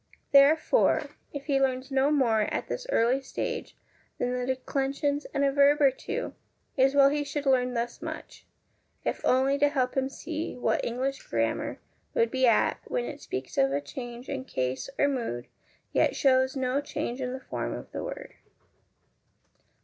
Therefore, if he learns no more at this early stage than the declensions and a verb or two, it is well he should learn thus much, if only to help him to see what English grammar would be at when it speaks of a change in case or mood, yet : hows no change in the form of the word.